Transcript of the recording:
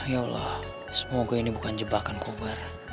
ya allah semoga ini bukan jebakan kobar